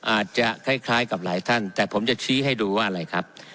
อาจจะคล้ายกับหลายท่านแต่ผมจะชี้ให้ดูว่าอะไรครับ